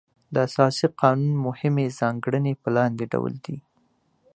د اساسي قانون مهمې ځانګړنې په لاندې ډول دي.